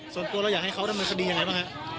ส่วนตัวเราอยากให้เขาทำหนังคดีอย่างไรบ้าง